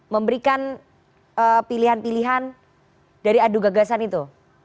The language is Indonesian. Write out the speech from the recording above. memberikan pilihan pilihan dari adu gagasan itu